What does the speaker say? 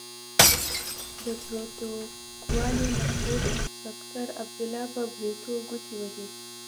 د پروتوکولي مسعود سکرتر عبدالله په بریتو ګوتې وهي.